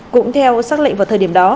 cũng theo sắc lệnh vào thời điểm đó